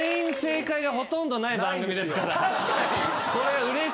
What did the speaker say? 確かに！